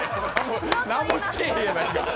何もしてへんやないか。